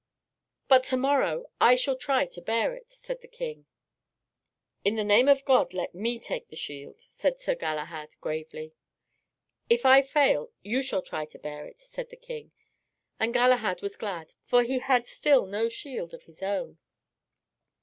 "But to morrow I shall try to bear it," said the king. "In the name of God, let me take the shield," said Sir Galahad gravely. "If I fail, you shall try to bear it," said the king. And Galahad was glad, for he had still no shield of his own.